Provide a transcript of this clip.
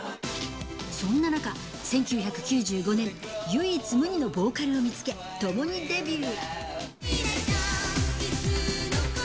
そんな中、１９９５年、唯一無二のボーカルを見つけ、共にデビュー。